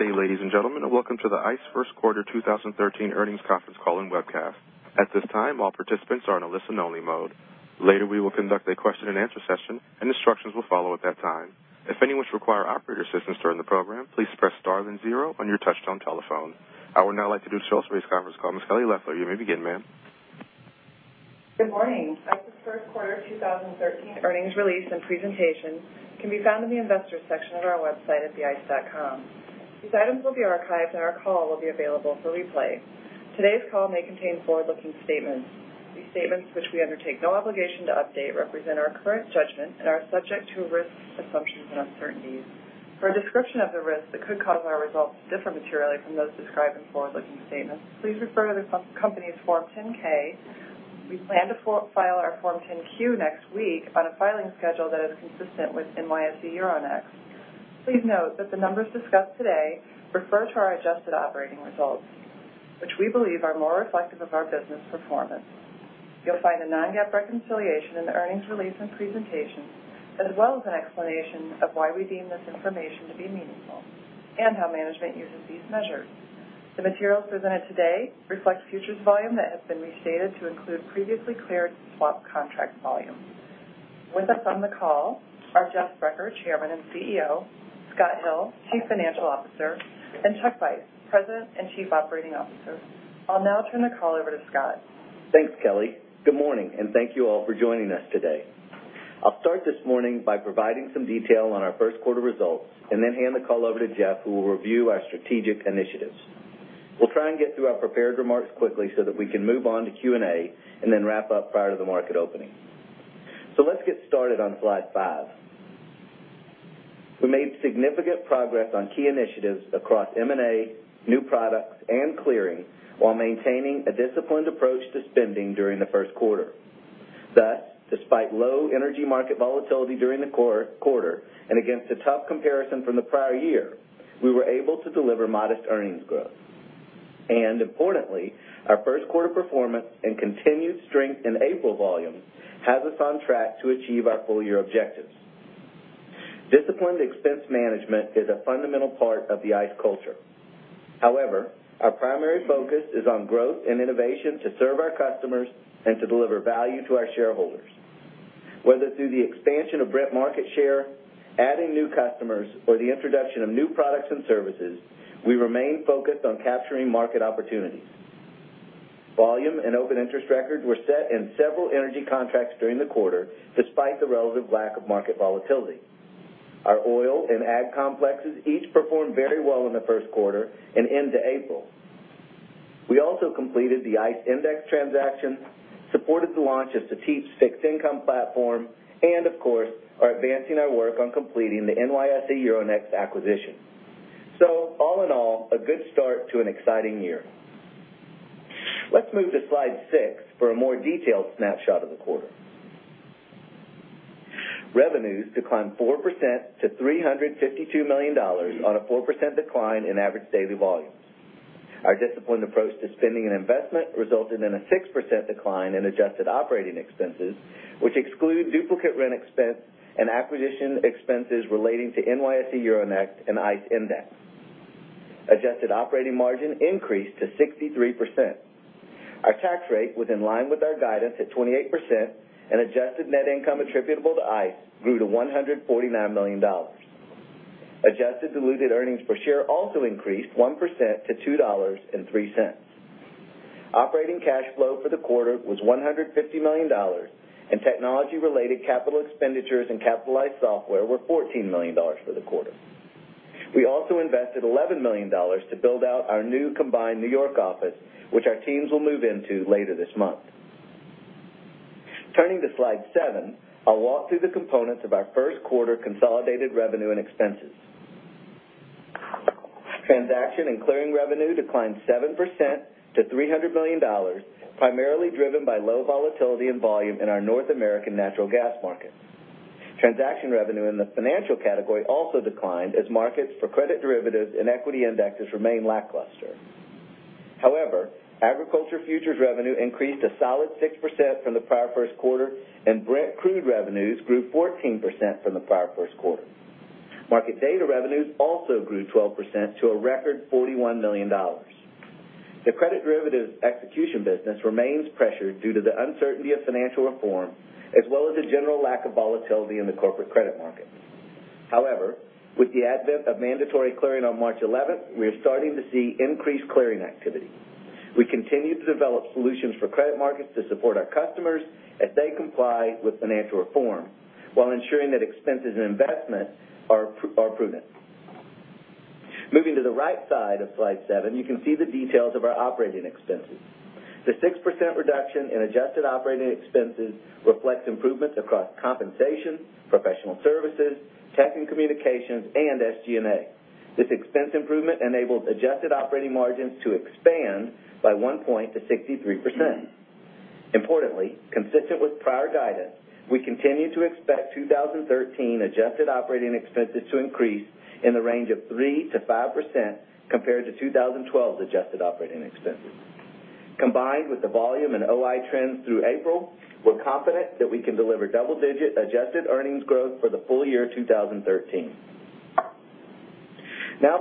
Good day, ladies and gentlemen, and welcome to the ICE first quarter 2013 earnings conference call and webcast. At this time, all participants are in a listen-only mode. Later, we will conduct a question-and-answer session, and instructions will follow at that time. If anyone should require operator assistance during the program, please press star and zero on your touch-tone telephone. I would now like to do a sales race conference call. Ms. Kelly Loeffler, you may begin, ma'am. Good morning. ICE's first quarter 2013 earnings release and presentation can be found in the investors section of our website at theice.com. These items will be archived, and our call will be available for replay. Today's call may contain forward-looking statements. These statements, which we undertake no obligation to update, represent our current judgment and are subject to risks, assumptions, and uncertainties. For a description of the risks that could cause our results to differ materially from those described in forward-looking statements, please refer to the company's Form 10-K. We plan to file our Form 10-Q next week on a filing schedule that is consistent with NYSE Euronext. Please note that the numbers discussed today refer to our adjusted operating results, which we believe are more reflective of our business performance. You'll find a non-GAAP reconciliation in the earnings release and presentation, as well as an explanation of why we deem this information to be meaningful and how management uses these measures. The materials presented today reflect futures volume that has been restated to include previously cleared swap contracts volume. With us on the call are Jeff Sprecher, Chairman and CEO, Scott Hill, Chief Financial Officer, and Chuck Vice, President and Chief Operating Officer. I'll now turn the call over to Scott. Thanks, Kelly. Good morning. Thank you all for joining us today. I'll start this morning by providing some detail on our first quarter results and then hand the call over to Jeff, who will review our strategic initiatives. We'll try and get through our prepared remarks quickly so that we can move on to Q&A and then wrap up prior to the market opening. Let's get started on slide five. We made significant progress on key initiatives across M&A, new products, and clearing while maintaining a disciplined approach to spending during the first quarter. Thus, despite low energy market volatility during the quarter and against a tough comparison from the prior year, we were able to deliver modest earnings growth. Importantly, our first quarter performance and continued strength in April volume has us on track to achieve our full-year objectives. Disciplined expense management is a fundamental part of the ICE culture. However, our primary focus is on growth and innovation to serve our customers and to deliver value to our shareholders. Whether through the expansion of Brent market share, adding new customers, or the introduction of new products and services, we remain focused on capturing market opportunities. Volume and open interest records were set in several energy contracts during the quarter, despite the relative lack of market volatility. Our oil and ag complexes each performed very well in the first quarter and into April. We also completed the ICE Endex transaction, supported the launch of Cetip fixed income platform, and of course, are advancing our work on completing the NYSE Euronext acquisition. All in all, a good start to an exciting year. Let's move to slide six for a more detailed snapshot of the quarter. Revenues declined 4% to $352 million on a 4% decline in average daily volume. Our disciplined approach to spending and investment resulted in a 6% decline in adjusted operating expenses, which exclude duplicate rent expense and acquisition expenses relating to NYSE Euronext and ICE Endex. Adjusted operating margin increased to 63%. Our tax rate was in line with our guidance at 28%, and adjusted net income attributable to ICE grew to $149 million. Adjusted diluted earnings per share also increased 1% to $2.03. Operating cash flow for the quarter was $150 million, and technology-related capital expenditures and capitalized software were $14 million for the quarter. We also invested $11 million to build out our new combined New York office, which our teams will move into later this month. Turning to slide seven, I'll walk through the components of our first quarter consolidated revenue and expenses. Transaction and clearing revenue declined 7% to $300 million, primarily driven by low volatility and volume in our North American natural gas markets. Transaction revenue in the financial category also declined as markets for credit derivatives and equity indexes remain lackluster. However, agriculture futures revenue increased a solid 6% from the prior first quarter, and Brent Crude revenues grew 14% from the prior first quarter. Market data revenues also grew 12% to a record $41 million. The credit derivatives execution business remains pressured due to the uncertainty of financial reform, as well as the general lack of volatility in the corporate credit market. However, with the advent of mandatory clearing on March 11th, we are starting to see increased clearing activity. We continue to develop solutions for credit markets to support our customers as they comply with financial reform while ensuring that expenses and investment are prudent. Moving to the right side of slide seven, you can see the details of our operating expenses. The 6% reduction in adjusted operating expenses reflects improvements across compensation, professional services, tech and communications, and SG&A. This expense improvement enabled adjusted operating margins to expand by one point to 63%. Importantly, consistent with prior guidance, we continue to expect 2013 adjusted operating expenses to increase in the range of 3%-5% compared to 2012's adjusted operating expenses. Combined with the volume and OI trends through April, we're confident that we can deliver double-digit adjusted earnings growth for the full year 2013.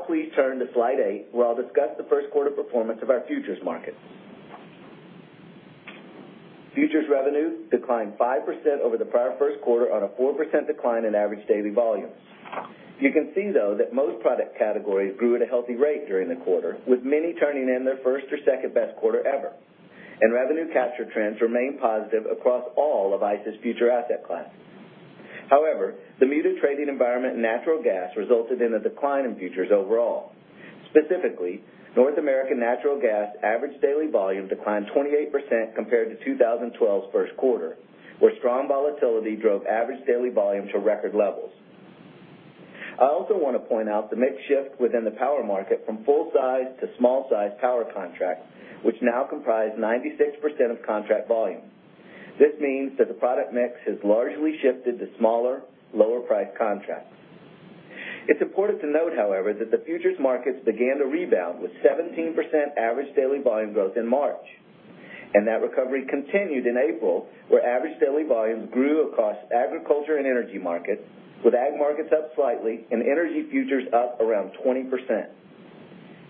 Please turn to slide eight, where I'll discuss the first quarter performance of our futures markets. Futures revenue declined 5% over the prior first quarter on a 4% decline in average daily volumes. You can see, though, that most product categories grew at a healthy rate during the quarter, with many turning in their first or second-best quarter ever. Revenue capture trends remain positive across all of ICE's future asset classes. However, the muted trading environment in natural gas resulted in a decline in futures overall. Specifically, North American natural gas average daily volume declined 28% compared to 2012's first quarter, where strong volatility drove average daily volume to record levels. I also want to point out the mix shift within the power market from full-size to small-size power contracts, which now comprise 96% of contract volume. This means that the product mix has largely shifted to smaller, lower-priced contracts. It's important to note, however, that the futures markets began to rebound with 17% average daily volume growth in March. That recovery continued in April, where average daily volumes grew across agriculture and energy markets, with ag markets up slightly and energy futures up around 20%.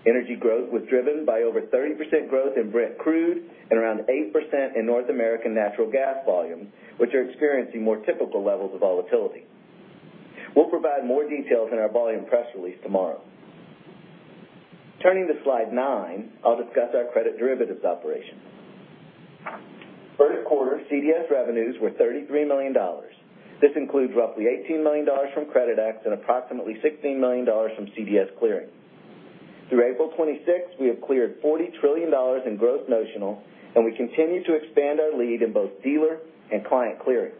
Energy growth was driven by over 30% growth in Brent Crude and around 8% in North American natural gas volumes, which are experiencing more typical levels of volatility. We'll provide more details in our volume press release tomorrow. Turning to slide nine, I'll discuss our credit derivatives operation. First quarter CDS revenues were $33 million. This includes roughly $18 million from Creditex and approximately $16 million from CDS Clearing. Through April 26th, we have cleared $40 trillion in gross notional. We continue to expand our lead in both dealer and client clearing.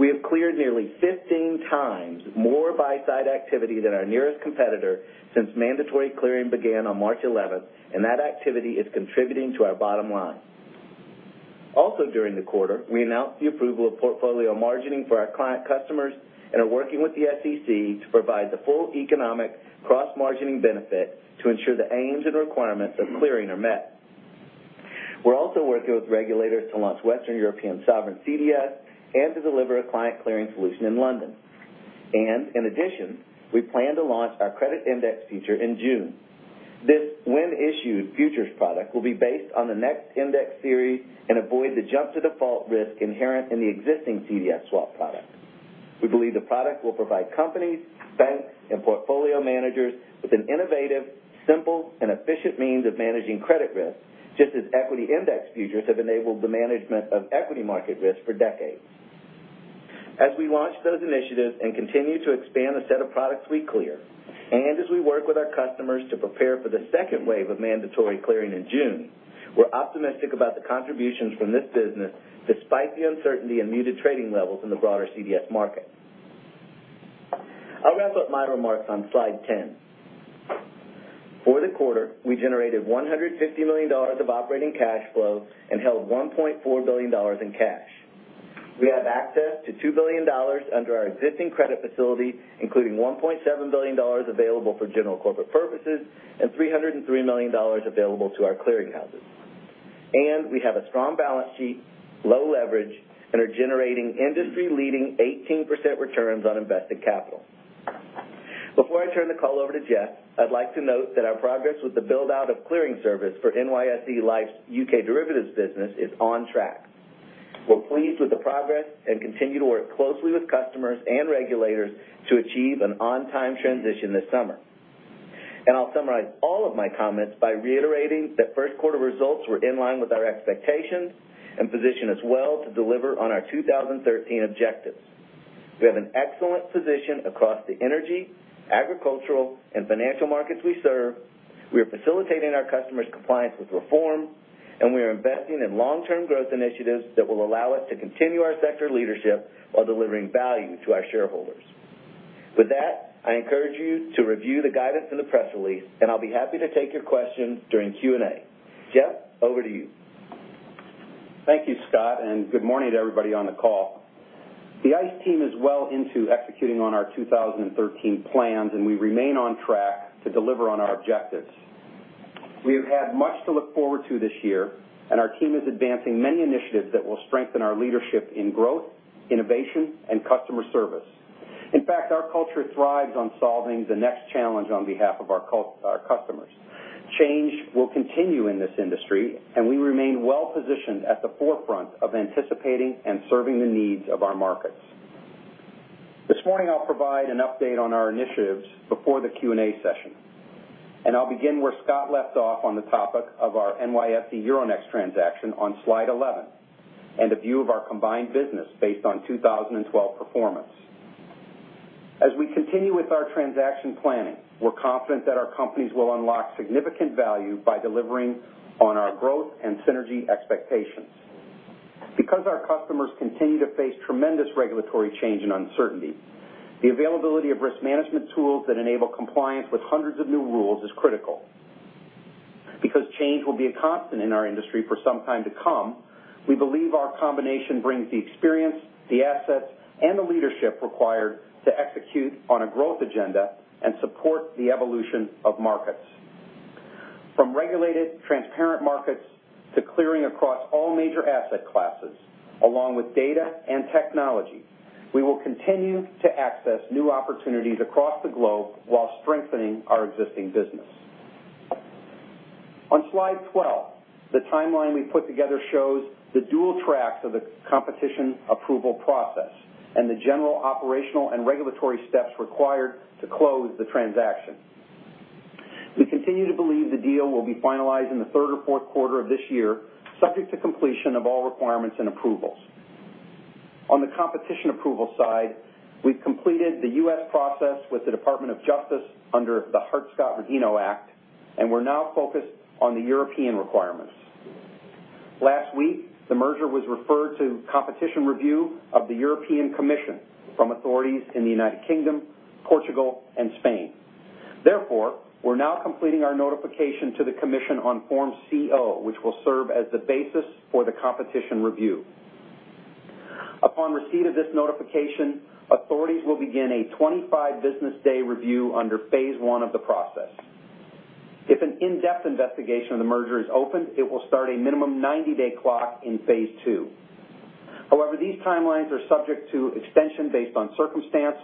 We have cleared nearly 15 times more buy-side activity than our nearest competitor since mandatory clearing began on March 11th. That activity is contributing to our bottom line. Also during the quarter, we announced the approval of portfolio margining for our client customers. We are working with the SEC to provide the full economic cross-margining benefit to ensure the aims and requirements of clearing are met. We're also working with regulators to launch Western European Sovereign CDS and to deliver a client clearing solution in London. In addition, we plan to launch our credit index futures in June. This when-issued futures product will be based on the next index series and avoid the jump to default risk inherent in the existing CDS swap product. We believe the product will provide companies, banks, and portfolio managers with an innovative, simple and efficient means of managing credit risk, just as equity index futures have enabled the management of equity market risk for decades. As we launch those initiatives and continue to expand the set of products we clear, as we work with our customers to prepare for the second wave of mandatory clearing in June, we're optimistic about the contributions from this business, despite the uncertainty and muted trading levels in the broader CDS market. I'll wrap up my remarks on slide 10. For the quarter, we generated $150 million of operating cash flow and held $1.4 billion in cash. We have access to $2 billion under our existing credit facility, including $1.7 billion available for general corporate purposes and $303 million available to our clearing houses. We have a strong balance sheet, low leverage, and are generating industry-leading 18% returns on invested capital. Before I turn the call over to Jeff, I'd like to note that our progress with the build-out of clearing service for NYSE Liffe's U.K. derivatives business is on track. We're pleased with the progress and continue to work closely with customers and regulators to achieve an on-time transition this summer. I'll summarize all of my comments by reiterating that first quarter results were in line with our expectations and position us well to deliver on our 2013 objectives. We have an excellent position across the energy, agricultural, and financial markets we serve, we are facilitating our customers' compliance with reform, and we are investing in long-term growth initiatives that will allow us to continue our sector leadership while delivering value to our shareholders. With that, I encourage you to review the guidance in the press release, and I'll be happy to take your questions during Q&A. Jeff, over to you. Thank you, Scott, and good morning to everybody on the call. The ICE team is well into executing on our 2013 plans, and we remain on track to deliver on our objectives. We have had much to look forward to this year, and our team is advancing many initiatives that will strengthen our leadership in growth, innovation, and customer service. In fact, our culture thrives on solving the next challenge on behalf of our customers. Change will continue in this industry, and we remain well-positioned at the forefront of anticipating and serving the needs of our markets. This morning, I'll provide an update on our initiatives before the Q&A session. I'll begin where Scott left off on the topic of our NYSE Euronext transaction on slide 11, and a view of our combined business based on 2012 performance. As we continue with our transaction planning, we're confident that our companies will unlock significant value by delivering on our growth and synergy expectations. Because our customers continue to face tremendous regulatory change and uncertainty, the availability of risk management tools that enable compliance with hundreds of new rules is critical. Because change will be a constant in our industry for some time to come. We believe our combination brings the experience, the assets, and the leadership required to execute on a growth agenda and support the evolution of markets. From regulated, transparent markets to clearing across all major asset classes, along with data and technology, we will continue to access new opportunities across the globe while strengthening our existing business. On slide 12, the timeline we put together shows the dual tracks of the competition approval process and the general operational and regulatory steps required to close the transaction. We continue to believe the deal will be finalized in the third or fourth quarter of this year, subject to completion of all requirements and approvals. On the competition approval side, we've completed the U.S. process with the Department of Justice under the Hart-Scott-Rodino Act, and we're now focused on the European requirements. Last week, the merger was referred to competition review of the European Commission from authorities in the U.K., Portugal, and Spain. We're now completing our notification to the Commission on Form CO, which will serve as the basis for the competition review. Upon receipt of this notification, authorities will begin a 25-business-day review under phase 1 of the process. If an in-depth investigation of the merger is opened, it will start a minimum 90-day clock in phase 2. These timelines are subject to extension based on circumstance,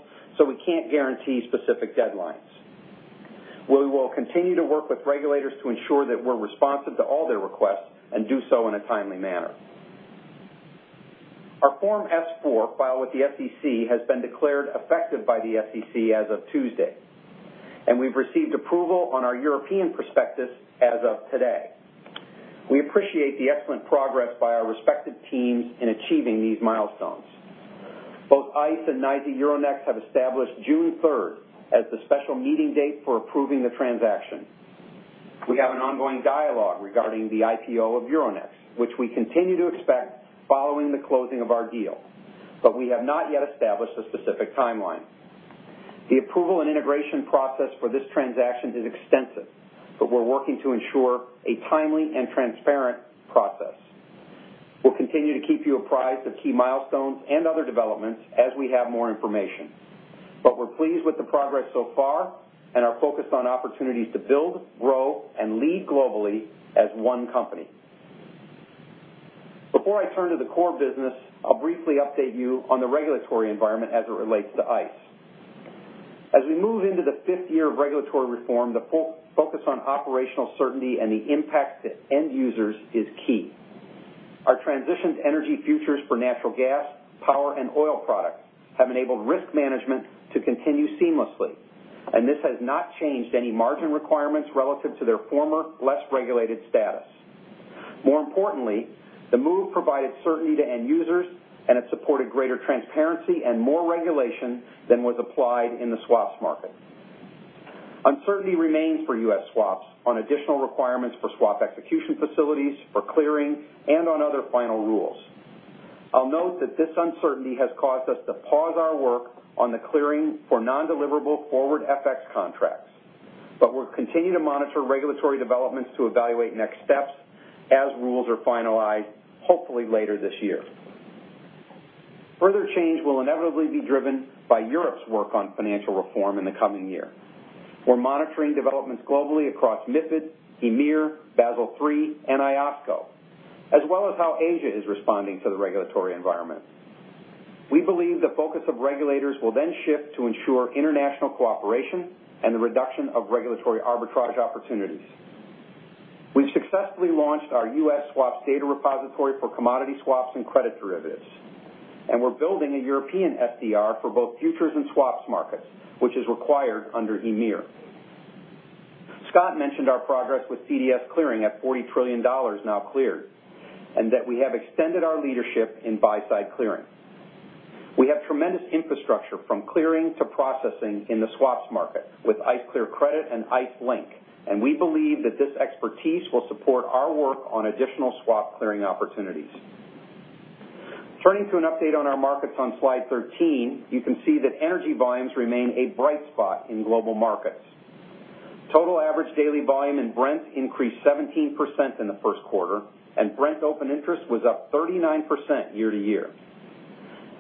we can't guarantee specific deadlines. We will continue to work with regulators to ensure that we're responsive to all their requests and do so in a timely manner. Our Form S-4 filed with the SEC has been declared effective by the SEC as of Tuesday, and we've received approval on our European prospectus as of today. We appreciate the excellent progress by our respective teams in achieving these milestones. Both ICE and NYSE Euronext have established June 3rd as the special meeting date for approving the transaction. We have an ongoing dialogue regarding the IPO of Euronext, which we continue to expect following the closing of our deal, we have not yet established a specific timeline. The approval and integration process for this transaction is extensive, we're working to ensure a timely and transparent process. We'll continue to keep you apprised of key milestones and other developments as we have more information. We're pleased with the progress so far and are focused on opportunities to build, grow, and lead globally as one company. Before I turn to the core business, I'll briefly update you on the regulatory environment as it relates to ICE. As we move into the fifth year of regulatory reform, the focus on operational certainty and the impact to end users is key. Our transition to energy futures for natural gas, power, and oil products have enabled risk management to continue seamlessly, and this has not changed any margin requirements relative to their former, less regulated status. More importantly, the move provided certainty to end users, and it supported greater transparency and more regulation than was applied in the swaps market. Uncertainty remains for U.S. swaps on additional requirements for swap execution facilities, for clearing, and on other final rules. I'll note that this uncertainty has caused us to pause our work on the clearing for non-deliverable forward FX contracts. We'll continue to monitor regulatory developments to evaluate next steps as rules are finalized, hopefully later this year. Further change will inevitably be driven by Europe's work on financial reform in the coming year. We're monitoring developments globally across MiFID, EMIR, Basel III, and IOSCO, as well as how Asia is responding to the regulatory environment. We believe the focus of regulators will shift to ensure international cooperation and the reduction of regulatory arbitrage opportunities. We've successfully launched our U.S. swaps data repository for commodity swaps and credit derivatives, and we're building a European SDR for both futures and swaps markets, which is required under EMIR. Scott mentioned our progress with CDS clearing at $40 trillion now cleared, and that we have extended our leadership in buy-side clearing. We have tremendous infrastructure from clearing to processing in the swaps market with ICE Clear Credit and ICE Link, and we believe that this expertise will support our work on additional swap clearing opportunities. Turning to an update on our markets on slide 13, you can see that energy volumes remain a bright spot in global markets. Total average daily volume in Brent increased 17% in the first quarter, and Brent open interest was up 39% year-to-year.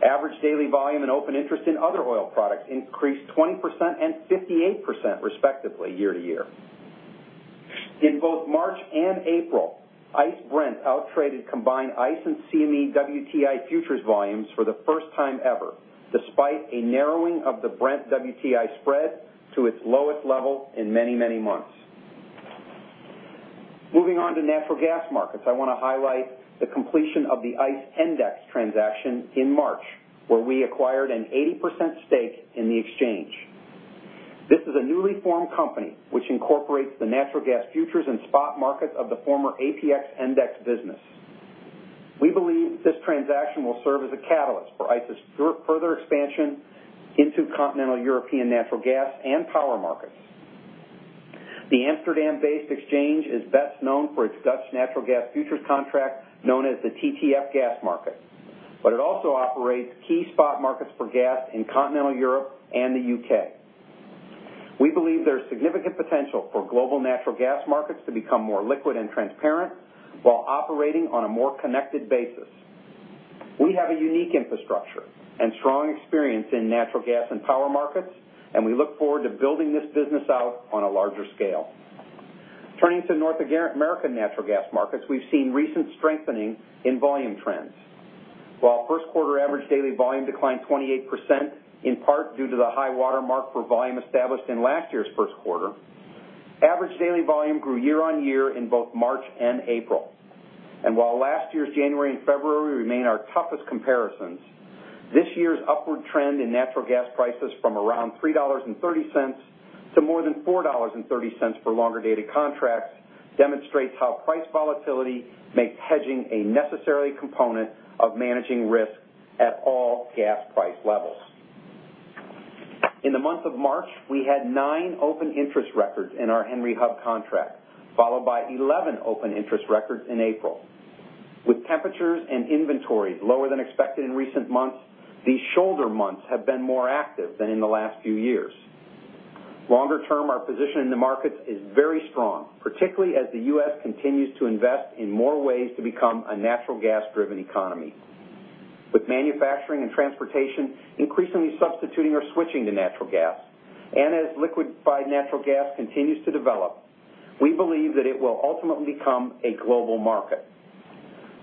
Average daily volume and open interest in other oil products increased 20% and 58% respectively year-to-year. In both March and April, ICE Brent outtraded combined ICE and CME WTI futures volumes for the first time ever, despite a narrowing of the Brent WTI spread to its lowest level in many, many months. Moving on to natural gas markets, I want to highlight the completion of the ICE Endex transaction in March, where we acquired an 80% stake in the exchange. This is a newly formed company which incorporates the natural gas futures and spot markets of the former APX-ENDEX business. We believe this transaction will serve as a catalyst for ICE's further expansion into continental European natural gas and power markets. The Amsterdam-based exchange is best known for its Dutch natural gas futures contract, known as the TTF gas market. It also operates key spot markets for gas in continental Europe and the U.K. We believe there's significant potential for global natural gas markets to become more liquid and transparent while operating on a more connected basis. We have a unique infrastructure and strong experience in natural gas and power markets, and we look forward to building this business out on a larger scale. Turning to North American natural gas markets, we've seen recent strengthening in volume trends. While first quarter average daily volume declined 28%, in part due to the high watermark for volume established in last year's first quarter, average daily volume grew year-on-year in both March and April. While last year's January and February remain our toughest comparisons, this year's upward trend in natural gas prices from around $3.30 to more than $4.30 for longer-dated contracts demonstrates how price volatility makes hedging a necessary component of managing risk at all gas price levels. In the month of March, we had nine open interest records in our Henry Hub contract, followed by 11 open interest records in April. With temperatures and inventories lower than expected in recent months, these shoulder months have been more active than in the last few years. Longer term, our position in the markets is very strong, particularly as the U.S. continues to invest in more ways to become a natural gas-driven economy. With manufacturing and transportation increasingly substituting or switching to natural gas, and as liquefied natural gas continues to develop, we believe that it will ultimately become a global market.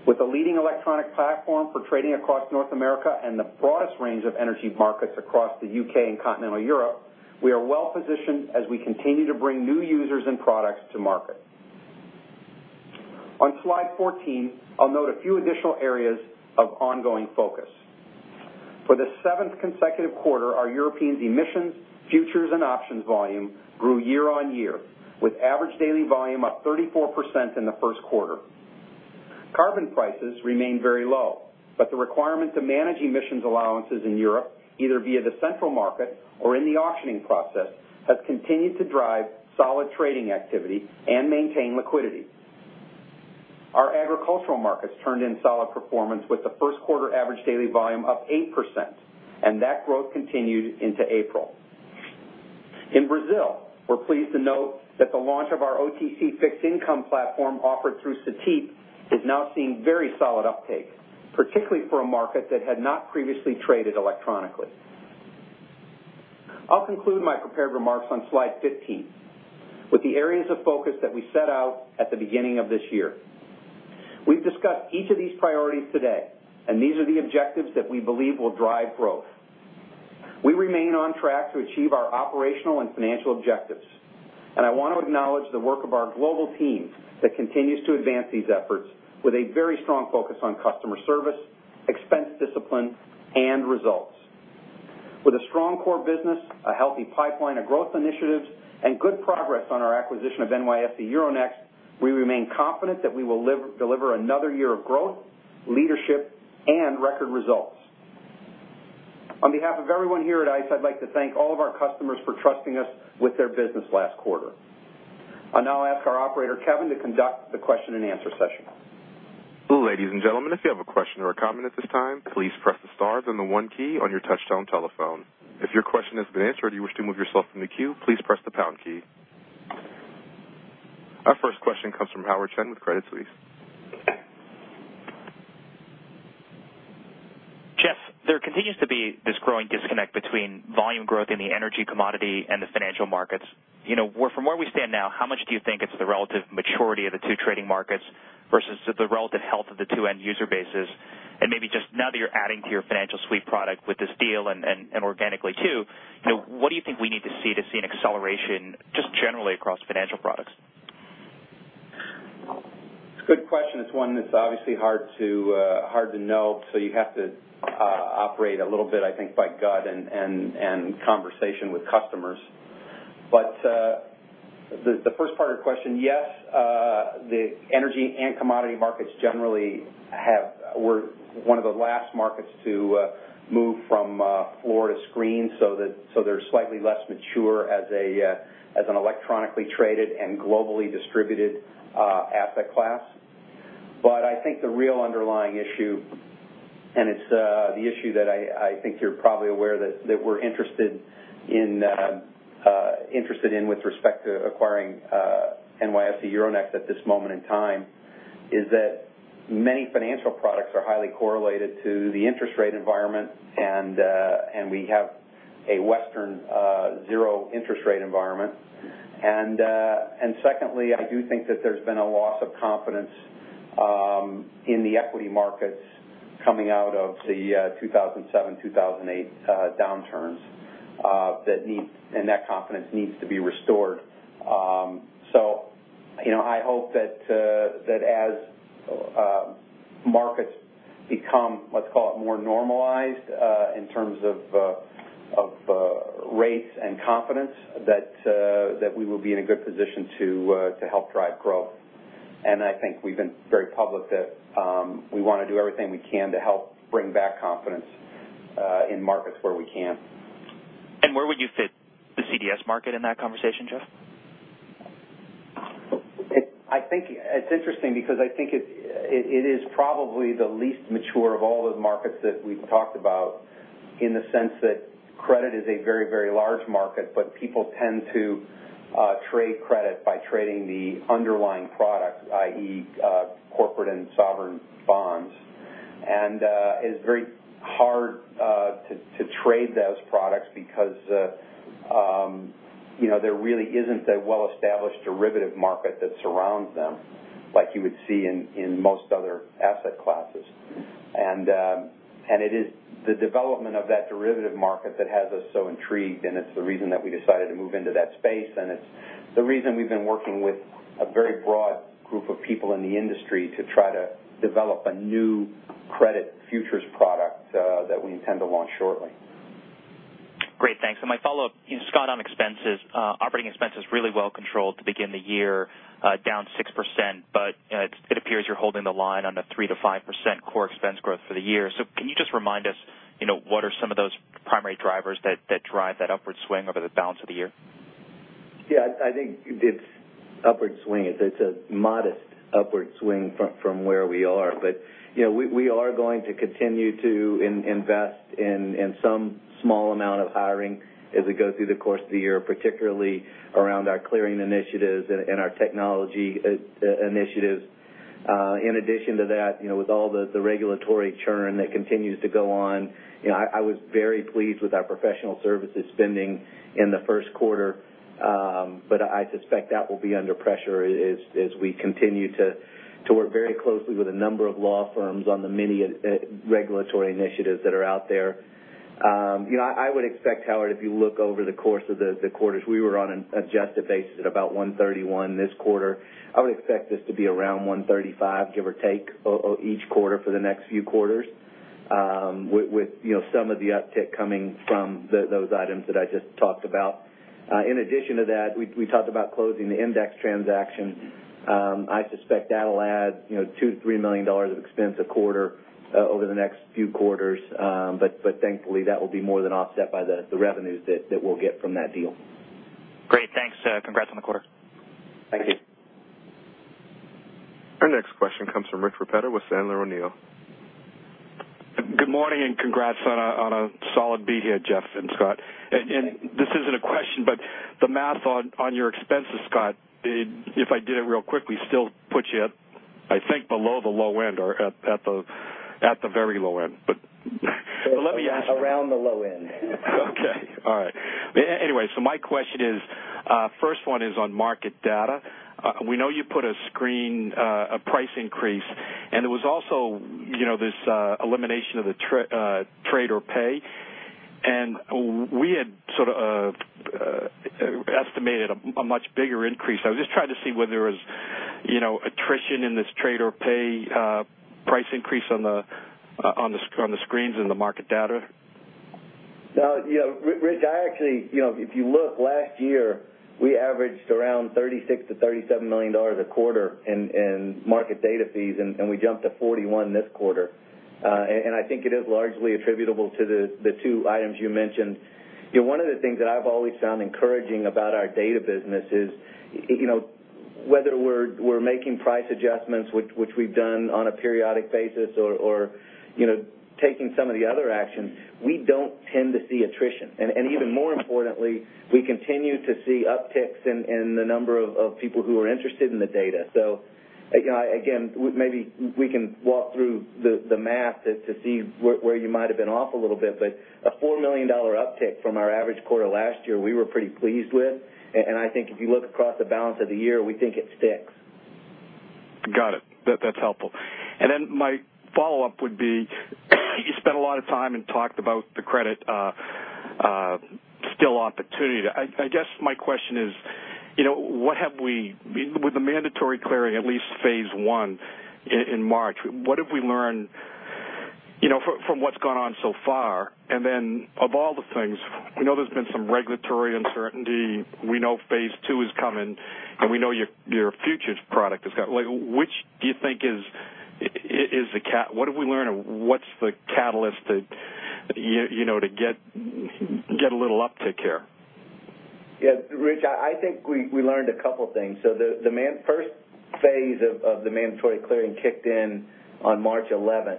With a leading electronic platform for trading across North America and the broadest range of energy markets across the U.K. and continental Europe, we are well-positioned as we continue to bring new users and products to market. On slide 14, I'll note a few additional areas of ongoing focus. For the seventh consecutive quarter, our European emissions, futures, and options volume grew year-over-year, with average daily volume up 34% in the first quarter. Carbon prices remain very low, but the requirement to manage emissions allowances in Europe, either via the central market or in the auctioning process, has continued to drive solid trading activity and maintain liquidity. Our agricultural markets turned in solid performance with the first quarter average daily volume up 8%, and that growth continued into April. In Brazil, we're pleased to note that the launch of our OTC fixed income platform offered through Cetip is now seeing very solid uptake, particularly for a market that had not previously traded electronically. I'll conclude my prepared remarks on slide 15 with the areas of focus that we set out at the beginning of this year. We've discussed each of these priorities today. These are the objectives that we believe will drive growth. We remain on track to achieve our operational and financial objectives. I want to acknowledge the work of our global team that continues to advance these efforts with a very strong focus on customer service, expense discipline, and results. With a strong core business, a healthy pipeline of growth initiatives, and good progress on our acquisition of NYSE Euronext, we remain confident that we will deliver another year of growth, leadership, and record results. On behalf of everyone here at ICE, I'd like to thank all of our customers for trusting us with their business last quarter. I'll now ask our operator, Kevin, to conduct the question and answer session. Ladies and gentlemen, if you have a question or a comment at this time, please press the star then the 1 key on your touchtone telephone. If your question has been answered or you wish to move yourself from the queue, please press the pound key. Our first question comes from Howard Chen with Credit Suisse. Jeff, there continues to be this growing disconnect between volume growth in the energy commodity and the financial markets. From where we stand now, how much do you think it's the relative maturity of the two trading markets versus the relative health of the two end user bases? Maybe just now that you're adding to your financial suite product with this deal and organically, too, what do you think we need to see to see an acceleration just generally across financial products? It's a good question. It's one that's obviously hard to know, so you have to operate a little bit, I think, by gut and conversation with customers. The first part of your question, yes, the energy and commodity markets generally were one of the last markets to move from floor to screen, so they're slightly less mature as an electronically traded and globally distributed asset class. I think the real underlying issue, and it's the issue that I think you're probably aware that we're interested in with respect to acquiring NYSE Euronext at this moment in time, is that many financial products are highly correlated to the interest rate environment, and we have a Western zero interest rate environment. Secondly, I do think that there's been a loss of confidence in the equity markets coming out of the 2007, 2008 downturns, and that confidence needs to be restored. I hope that as markets become, let's call it more normalized in terms of rates and confidence, that we will be in a good position to help drive growth. I think we've been very public that we want to do everything we can to help bring back confidence in markets where we can. Where would you fit the CDS market in that conversation, Jeff? I think it's interesting because I think it is probably the least mature of all the markets that we've talked about, in the sense that credit is a very, very large market, but people tend to trade credit by trading the underlying product, i.e., corporate and sovereign bonds. It's very hard to trade those products because there really isn't a well-established derivative market that surrounds them like you would see in most other asset classes. It is the development of that derivative market that has us so intrigued, and it's the reason that we decided to move into that space, and it's the reason we've been working with a very broad group of people in the industry to try to develop a new credit futures product that we intend to launch shortly. My follow-up, Scott, on expenses. Operating expenses really well-controlled to begin the year, down 6%, but it appears you're holding the line on the 3%-5% core expense growth for the year. Can you just remind us what are some of those primary drivers that drive that upward swing over the balance of the year? It's upward swing, it's a modest upward swing from where we are. We are going to continue to invest in some small amount of hiring as we go through the course of the year, particularly around our clearing initiatives and our technology initiatives. In addition to that, with all the regulatory churn that continues to go on, I was very pleased with our professional services spending in the first quarter, I suspect that will be under pressure as we continue to work very closely with a number of law firms on the many regulatory initiatives that are out there. I would expect, Howard, if you look over the course of the quarters, we were on an adjusted basis at about 131 this quarter. I would expect this to be around 135, give or take, each quarter for the next few quarters, with some of the uptick coming from those items that I just talked about. In addition to that, we talked about closing the index transaction. I suspect that'll add $2 million-$3 million of expense a quarter over the next few quarters. Thankfully, that will be more than offset by the revenues that we'll get from that deal. Great. Thanks. Congrats on the quarter. Thank you. Our next question comes from Rich Repetto with Sandler O'Neill. Good morning, congrats on a solid beat here, Jeff and Scott. Thank you. This isn't a question, the math on your expenses, Scott, if I did it real quickly, still puts you at, I think, below the low end or at the very low end. Let me ask- Around the low end. Okay. All right. Anyway, my question is, first one is on market data. We know you put a screen, a price increase, there was also this elimination of the trade or pay. We had sort of estimated a much bigger increase. I was just trying to see whether there was attrition in this trade or pay price increase on the screens in the market data. Rich, if you look last year, we averaged around $36 million-$37 million a quarter in market data fees, we jumped to $41 million this quarter. I think it is largely attributable to the two items you mentioned. One of the things that I've always found encouraging about our data business is, whether we're making price adjustments, which we've done on a periodic basis or taking some of the other actions, we don't tend to see attrition. Even more importantly, we continue to see upticks in the number of people who are interested in the data. Again, maybe we can walk through the math to see where you might've been off a little bit, a $4 million uptick from our average quarter last year, we were pretty pleased with, I think if you look across the balance of the year, we think it sticks. Got it. That's helpful. My follow-up would be, you spent a lot of time and talked about the credit CDS opportunity. I guess my question is, with the mandatory clearing, at least phase 1 in March, what have we learned from what's gone on so far? Of all the things, we know there's been some regulatory uncertainty, we know phase 2 is coming, and we know your futures product. What have we learned, and what's the catalyst to get a little uptick here? Yeah, Rich, I think we learned a couple of things. The first phase of the mandatory clearing kicked in on March 11th.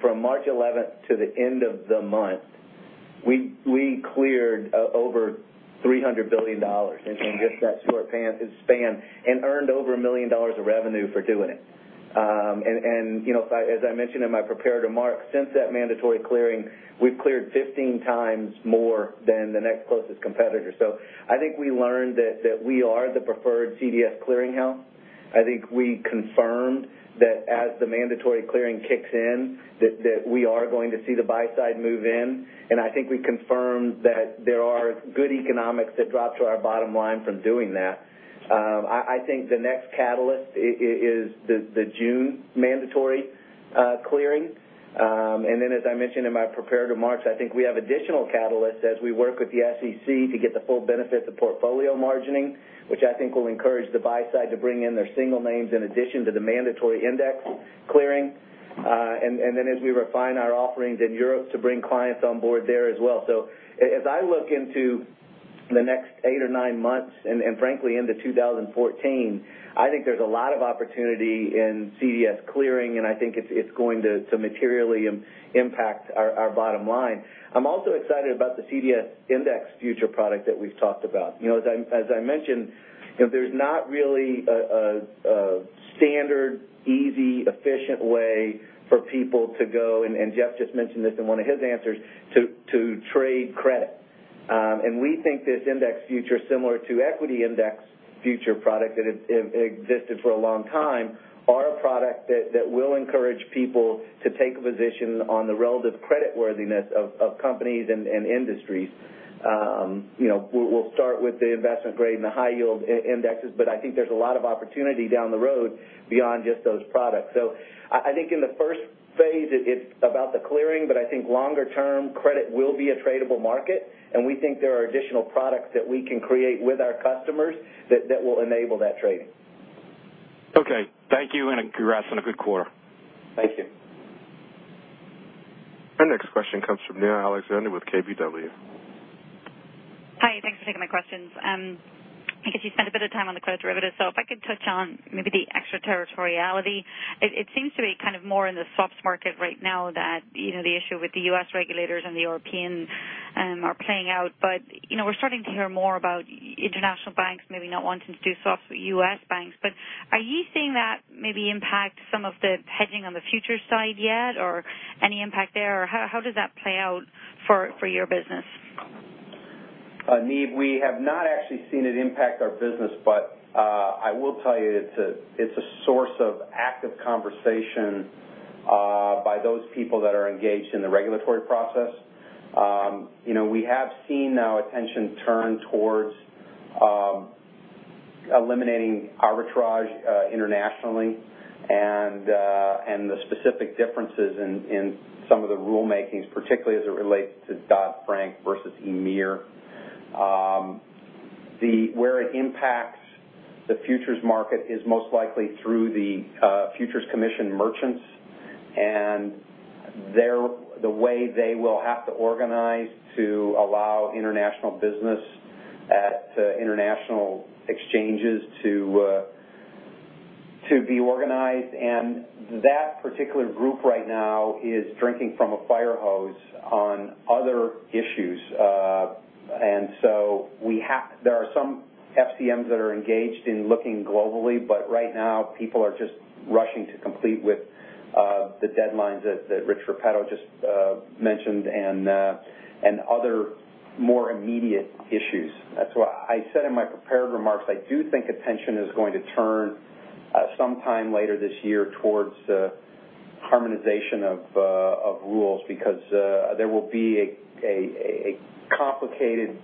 From March 11th to the end of the month, we cleared over $300 billion in just that short span and earned over $1 million of revenue for doing it. As I mentioned in my prepared remarks, since that mandatory clearing, we've cleared 15 times more than the next closest competitor. I think we learned that we are the preferred CDS clearing house. I think we confirmed that as the mandatory clearing kicks in, that we are going to see the buy-side move in, and I think we confirmed that there are good economics that drop to our bottom line from doing that. I think the next catalyst is the June mandatory clearing. As I mentioned in my prepared remarks, I think we have additional catalysts as we work with the SEC to get the full benefit of the portfolio margining, which I think will encourage the buy-side to bring in their single names in addition to the mandatory index clearing. As we refine our offerings in Europe to bring clients on board there as well. As I look into the next eight or nine months, and frankly into 2014, I think there's a lot of opportunity in CDS clearing, and I think it's going to materially impact our bottom line. I'm also excited about the CDS index future product that we've talked about. As I mentioned, there's not really a standard, easy, efficient way for people to go, and Jeff just mentioned this in one of his answers, to trade credit. We think this index future, similar to equity index future product that has existed for a long time, are a product that will encourage people to take a position on the relative creditworthiness of companies and industries. We'll start with the investment-grade and the high-yield indexes, but I think there's a lot of opportunity down the road beyond just those products. I think in the first phase, it's about the clearing, but I think longer-term, credit will be a tradable market, and we think there are additional products that we can create with our customers that will enable that trading. Okay. Thank you, and congrats on a good quarter. Thank you. Our next question comes from Niamh Alexander with KBW. Hi, thanks for taking my questions. I guess you spent a bit of time on the credit derivatives. If I could touch on maybe the extraterritoriality. It seems to be kind of more in the swaps market right now that the issue with the U.S. regulators and the Europeans are playing out. We're starting to hear more about international banks maybe not wanting to do swaps with U.S. banks, but are you seeing that maybe impact some of the hedging on the futures side yet, or any impact there? How does that play out for your business? Niamh, we have not actually seen it impact our business, but I will tell you it's a source of active conversation by those people that are engaged in the regulatory process. We have seen now attention turn towards eliminating arbitrage internationally and the specific differences in some of the rulemakings, particularly as it relates to Dodd-Frank versus EMIR. Where it impacts the futures market is most likely through the Futures Commission Merchants, and the way they will have to organize to allow international business at international exchanges to be organized, and that particular group right now is drinking from a fire hose on other issues. There are some FCMs that are engaged in looking globally, but right now, people are just rushing to complete with the deadlines that Rich Repetto just mentioned and other more immediate issues. That's why I said in my prepared remarks, I do think attention is going to turn sometime later this year towards harmonization of rules because there will be a complicated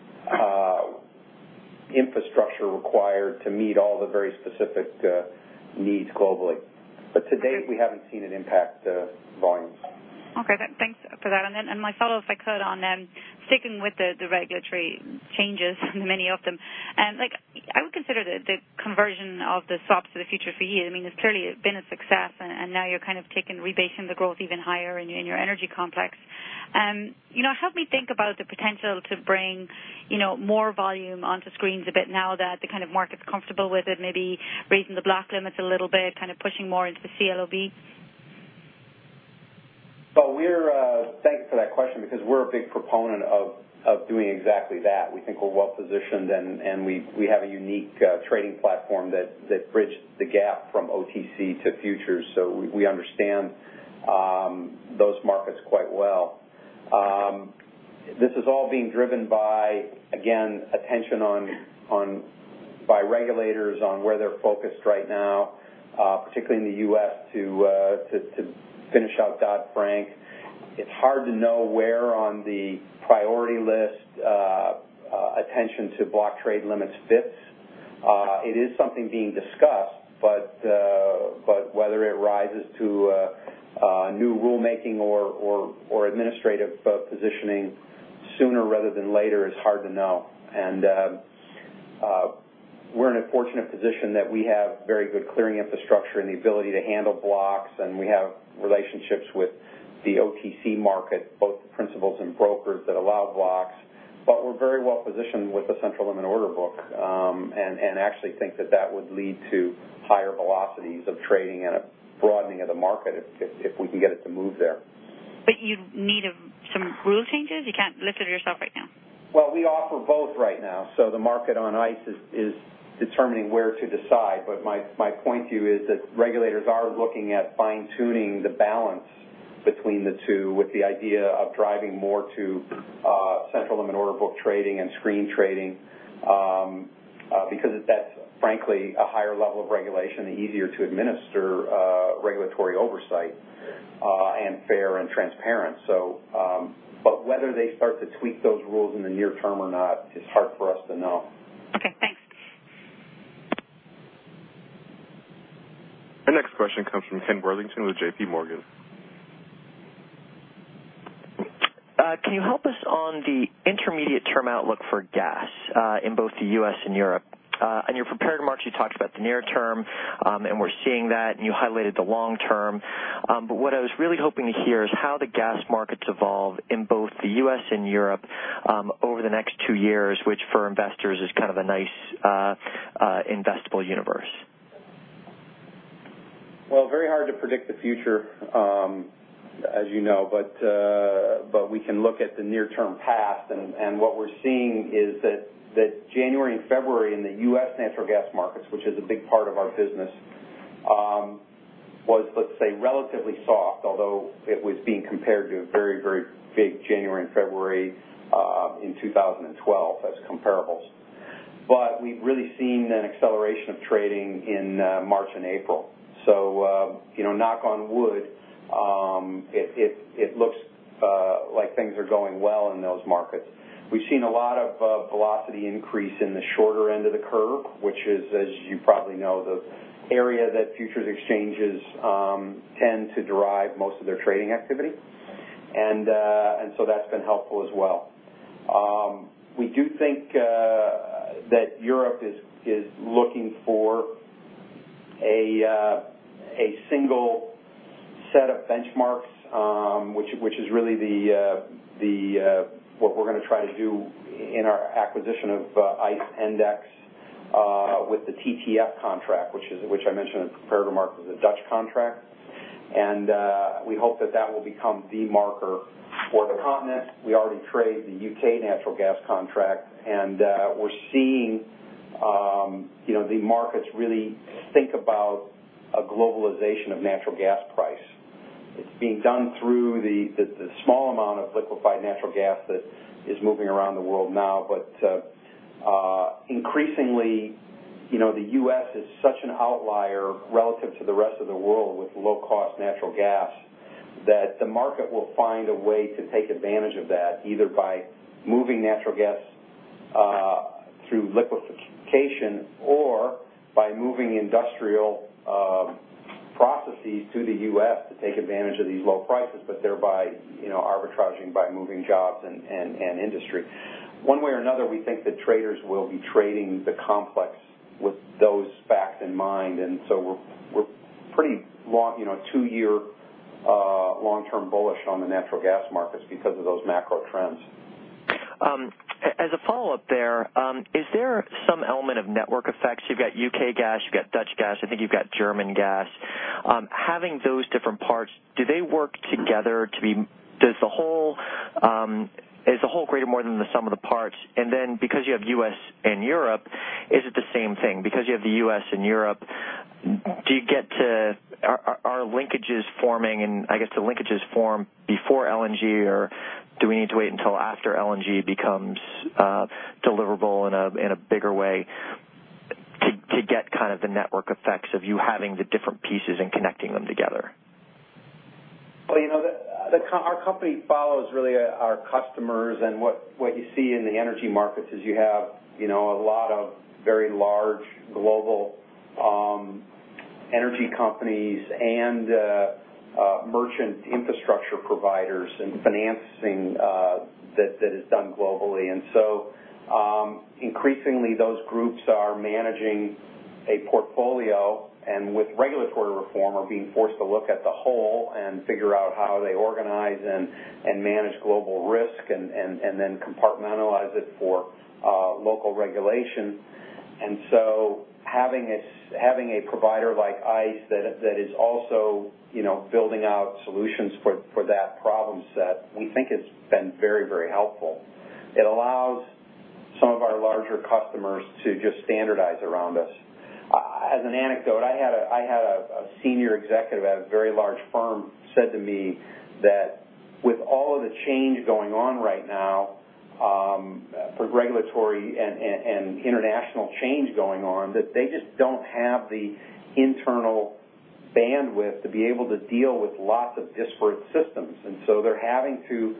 infrastructure required to meet all the very specific needs globally. To date, we haven't seen an impact to volumes. Okay, thanks for that. My follow-up, if I could, on sticking with the regulatory changes, many of them. I would consider the conversion of the swaps to the future for you, it's clearly been a success, and now you're kind of rebasing the growth even higher in your energy complex. Help me think about the potential to bring more volume onto screens a bit now that the kind of market's comfortable with it, maybe raising the block limits a little bit, kind of pushing more into CLOB. Thank you for that question because we're a big proponent of doing exactly that. We think we're well-positioned, and we have a unique trading platform that bridged the gap from OTC to futures. We understand those markets quite well. This is all being driven by, again, attention by regulators on where they're focused right now, particularly in the U.S., to finish out Dodd-Frank. It's hard to know where on the priority list attention to block trade limits fits. It is something being discussed, but whether it rises to new rulemaking or administrative positioning sooner rather than later is hard to know. We're in a fortunate position that we have very good clearing infrastructure and the ability to handle blocks, and we have relationships with the OTC market, both principals and brokers that allow blocks. We're very well-positioned with the central limit order book, and actually think that that would lead to higher velocities of trading and a broadening of the market if we can get it to move there. You'd need some rule changes? You can't lift it yourself right now. Well, we offer both right now, so the market on ICE is determining where to decide. My point to you is that regulators are looking at fine-tuning the balance between the two with the idea of driving more to central limit order book trading and screen trading, because that's frankly a higher level of regulation, easier to administer regulatory oversight, and fair and transparent. Whether they start to tweak those rules in the near term or not is hard for us to know. Okay, thanks. Our next question comes from Ken Worthington with JPMorgan. Can you help us on the intermediate-term outlook for gas in both the U.S. and Europe? On your prepared remarks, you talked about the near term, and we're seeing that, and you highlighted the long term. What I was really hoping to hear is how the gas markets evolve in both the U.S. and Europe over the next two years, which for investors is kind of a nice investable universe. Well, very hard to predict the future, as you know, but we can look at the near-term past, and what we're seeing is that January and February in the U.S. natural gas markets, which is a big part of our business, was, let's say, relatively soft, although it was being compared to a very big January and February in 2012 as comparables. We've really seen an acceleration of trading in March and April. Knock on wood, it looks like things are going well in those markets. We've seen a lot of velocity increase in the shorter end of the curve, which is, as you probably know, the area that futures exchanges tend to derive most of their trading activity. That's been helpful as well. We do think that Europe is looking for a single set of benchmarks, which is really what we're going to try to do in our acquisition of ICE Endex with the TTF contract, which I mentioned in the prepared remarks was a Dutch contract. We hope that that will become the marker for the continent. We already trade the U.K. natural gas contract, and we're seeing the markets really think about a globalization of natural gas price. It's being done through the small amount of liquefied natural gas that is moving around the world now. Increasingly, the U.S. is such an outlier relative to the rest of the world with low-cost natural gas, that the market will find a way to take advantage of that, either by moving natural gas through liquification or by moving industrial processes to the U.S. to take advantage of these low prices, thereby arbitraging by moving jobs and industry. One way or another, we think that traders will be trading the complex with those facts in mind. We're pretty two-year long-term bullish on the natural gas markets because of those macro trends. As a follow-up there, is there some element of network effects? You've got U.K. gas, you've got Dutch gas, I think you've got German gas. Having those different parts, do they work together? Is the whole greater more than the sum of the parts? Because you have U.S. and Europe, is it the same thing? Because you have the U.S. and Europe, are linkages forming, and I guess the linkages form before LNG, or do we need to wait until after LNG becomes deliverable in a bigger way to get the network effects of you having the different pieces and connecting them together? Our company follows, really, our customers. What you see in the energy markets is you have a lot of very large global energy companies and merchant infrastructure providers and financing that is done globally. Increasingly, those groups are managing a portfolio, and with regulatory reform, are being forced to look at the whole and figure out how they organize and manage global risk and then compartmentalize it for local regulation. Having a provider like ICE that is also building out solutions for that problem set, we think has been very helpful. It allows some of our larger customers to just standardize around us. As an anecdote, I had a senior executive at a very large firm said to me that with all of the change going on right now for regulatory and international change going on, that they just don't have the internal bandwidth to be able to deal with lots of disparate systems. They're having to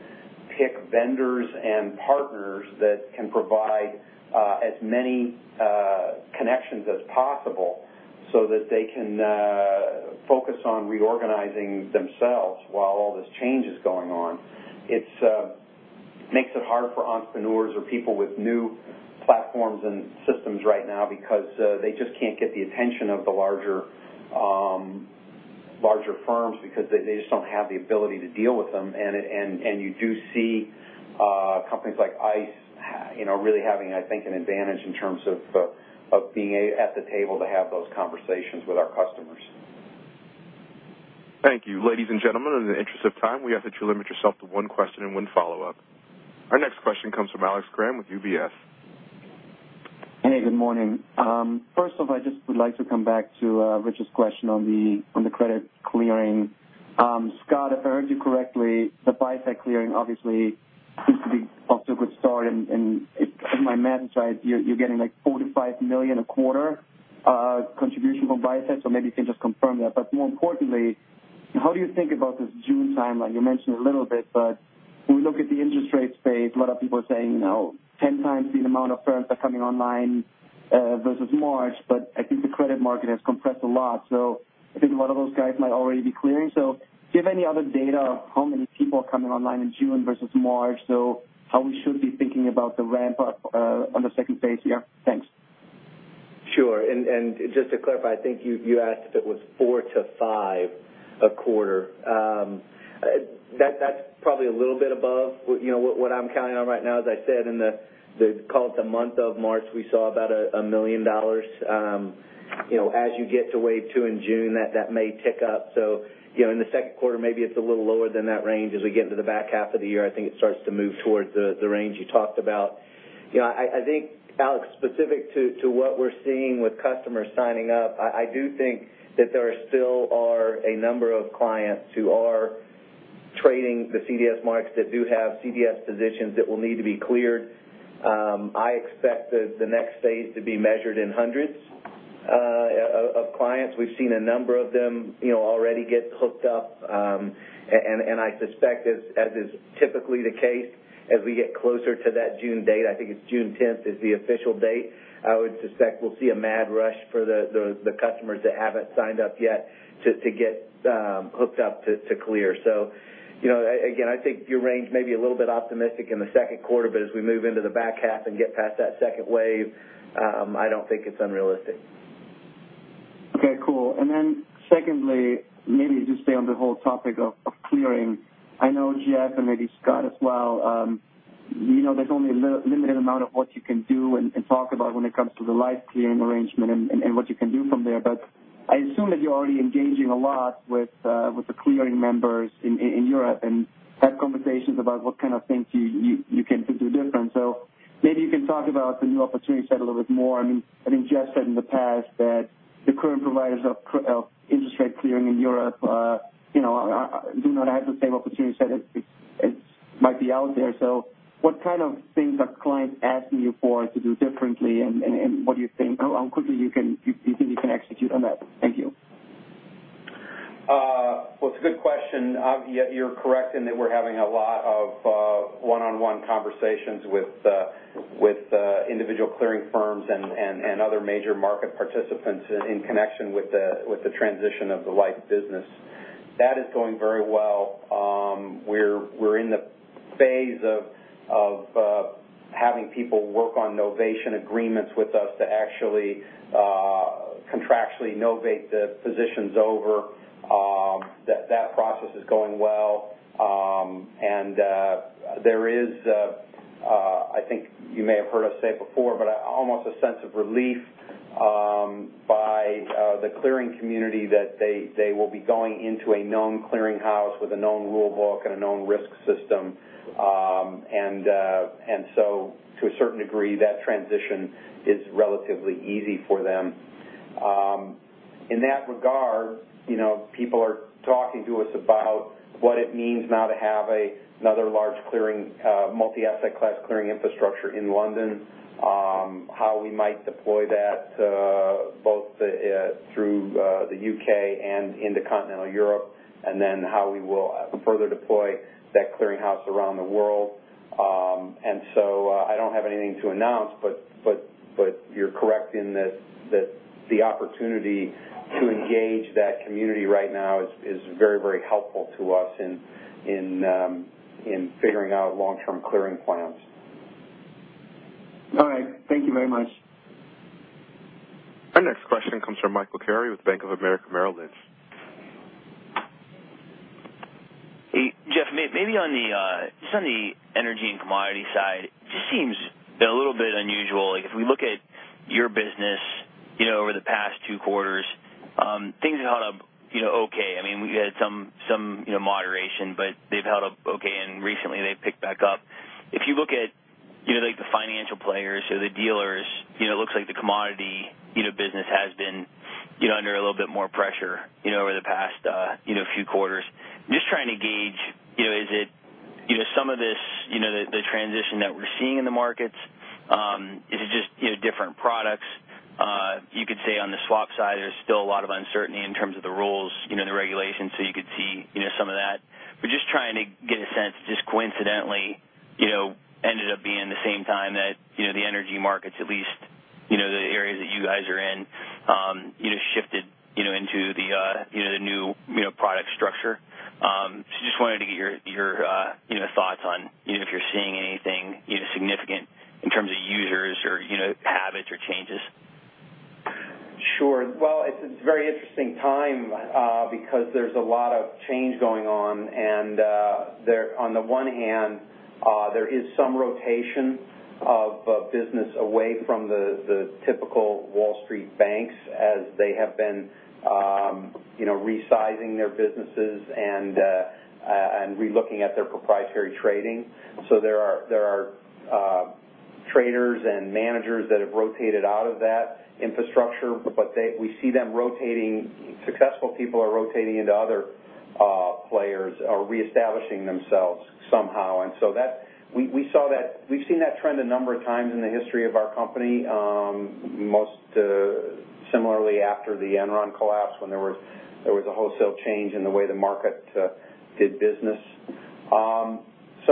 pick vendors and partners that can provide as many connections as possible so that they can focus on reorganizing themselves while all this change is going on. It makes it hard for entrepreneurs or people with new platforms and systems right now because they just can't get the attention of the larger firms because they just don't have the ability to deal with them. You do see companies like ICE really having, I think, an advantage in terms of being at the table to have those conversations with our customers. Thank you. Ladies and gentlemen, in the interest of time, we ask that you limit yourself to one question and one follow-up. Our next question comes from Alex Kramm with UBS. Hey, good morning. First off, I just would like to come back to Rich's question on the credit clearing. Scott, if I heard you correctly, the buy-side clearing obviously seems to be off to a good start, and if my math is right, you're getting like $45 million a quarter contribution from buy-side. Maybe you can just confirm that. More importantly, how do you think about this June timeline? You mentioned a little bit, but when we look at the interest rate space, a lot of people are saying 10 times the amount of firms are coming online versus March, but I think the credit market has compressed a lot. I think a lot of those guys might already be clearing. Do you have any other data on how many people are coming online in June versus March? How we should be thinking about the ramp-up on the second phase here? Thanks. Sure. Just to clarify, I think you asked if it was four to five a quarter. That's probably a little bit above what I'm counting on right now. As I said, in the, call it the month of March, we saw about $1 million. As you get to wave 2 in June, that may tick up. In the second quarter, maybe it's a little lower than that range. As we get into the back half of the year, I think it starts to move towards the range you talked about. I think, Alex, specific to what we're seeing with customers signing up, I do think that there still are a number of clients who are trading the CDS markets that do have CDS positions that will need to be cleared. I expect the next phase to be measured in hundreds of clients. We've seen a number of them already get hooked up. I suspect as is typically the case, as we get closer to that June date, I think it's June 10 is the official date, I would suspect we'll see a mad rush for the customers that haven't signed up yet to get hooked up to clear. Again, I think your range may be a little bit optimistic in the second quarter, but as we move into the back half and get past that second wave, I don't think it's unrealistic. Okay, cool. Secondly, maybe just stay on the whole topic of clearing. I know Jeff and maybe Scott as well, there's only a limited amount of what you can do and talk about when it comes to the Liffe clearing arrangement and what you can do from there. I assume that you're already engaging a lot with the clearing members in Europe and have conversations about what kind of things you can do different. Maybe you can talk about the new opportunity set a little bit more. I think Jeff said in the past that the current providers of interest rate clearing in Europe do not have the same opportunity set as might be out there. What kind of things are clients asking you for to do differently, and how quickly you think you can execute on that? Thank you. Well, it's a good question. You're correct in that we're having a lot of one-on-one conversations with individual clearing firms and other major market participants in connection with the transition of the Liffe business. That is going very well. We're in the phase of having people work on novation agreements with us to actually contractually novate the positions over. That process is going well. There is, I think you may have heard us say it before, but almost a sense of relief by the clearing community that they will be going into a known clearing house with a known rule book and a known risk system. To a certain degree, that transition is relatively easy for them. In that regard, people are talking to us about what it means now to have another large clearing, multi-asset class clearing infrastructure in London, how we might deploy that both through the U.K. and into continental Europe, and then how we will further deploy that clearing house around the world. I don't have anything to announce, but you're correct in that the opportunity to engage that community right now is very, very helpful to us in figuring out long-term clearing plans. All right. Thank you very much. Our next question comes from Michael Carrier with Bank of America Merrill Lynch. Hey, Jeff, maybe on the energy and commodity side, it just seems a little bit unusual. If we look at your business over the past two quarters, things have held up okay. We had some moderation, but they've held up okay, and recently they've picked back up. If you look at the financial players or the dealers, it looks like the commodity business has been under a little bit more pressure over the past few quarters. I'm just trying to gauge, is it some of this, the transition that we're seeing in the markets? Is it just different products? You could say on the swap side, there's still a lot of uncertainty in terms of the rules, the regulations, so you could see some of that. just trying to get a sense, just coincidentally, ended up being the same time that the energy markets, at least, the areas that you guys are in, shifted into the new product structure. Just wanted to get your thoughts on if you're seeing anything significant in terms of users or habits or changes. Sure. Well, it's a very interesting time, because there's a lot of change going on, and on the one hand, there is some rotation of business away from the typical Wall Street banks as they have been resizing their businesses and re-looking at their proprietary trading. There are traders and managers that have rotated out of that infrastructure, but Successful people are rotating into other players or reestablishing themselves somehow. We've seen that trend a number of times in the history of our company, most similarly after the Enron collapse, when there was a wholesale change in the way the market did business.